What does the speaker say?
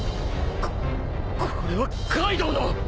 ここれはカイドウの！